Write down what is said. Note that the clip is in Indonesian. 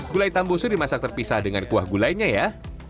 gulai tambosu dimasak terpisah dengan kuah gulainya ya